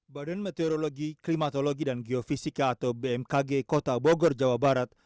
badan meteorologi klimatologi dan geofisika atau bmkg kota bogor jawa barat